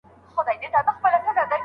ته باید له خپلو تېرو غلطیو څخه درس واخلې.